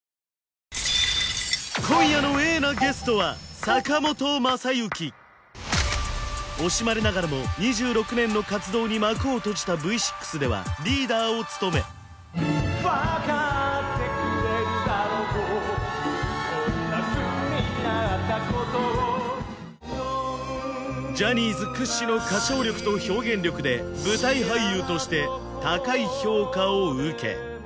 今夜のＡなゲストは惜しまれながらも２６年の活動に幕を閉じたＶ６ではリーダーを務め分かってくれるだろうこんなふうになったことをジャニーズ屈指の歌唱力と表現力で舞台俳優として高い評価を受け